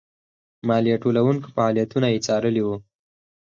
مالیه ټولوونکو فعالیتونه یې څارلي وو.